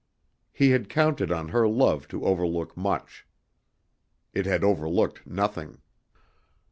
He had counted on her love to overlook much. It had overlooked nothing.